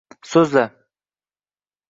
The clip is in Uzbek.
So’zla